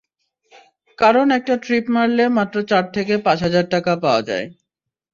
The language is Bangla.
কারণ একটা ট্রিপ মারলে মাত্র চার থেকে পাঁচ হাজার টাকা পাওয়া যায়।